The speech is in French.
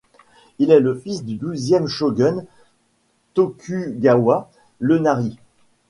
Il est fils du douzième shogun, Tokugawa Ienari.